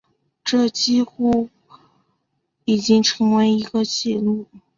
这几乎已经成为了一个记录。